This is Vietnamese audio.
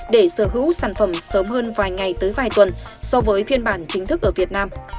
để sở hữu sản phẩm sớm hơn vài ngày tới vài tuần so với phiên bản chính thức ở việt nam